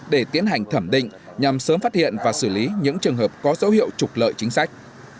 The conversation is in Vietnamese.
để tiến hành thẩm định nhằm sớm phát hiện và xử lý những trường hợp có dấu hiệu trục lợi chính sách